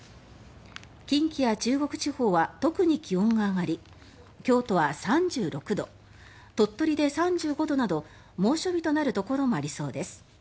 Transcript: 近畿や中国地方は特に気温が上がり京都は３６度、鳥取で３５度など猛暑日となるところもありそうです。